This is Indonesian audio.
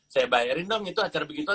saya bayarin dong itu acara bikin lucuan